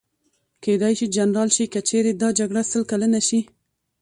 کېدای شي جنرال شي، که چېرې دا جګړه سل کلنه شي.